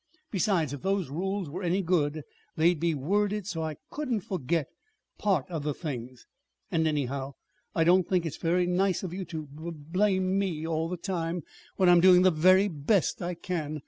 Besides, if those rules were any good they'd be worded so I couldn't forget part of the things. And, anyhow, I don't think it's very nice of you to b blame me all the time when I'm doing the very best I can.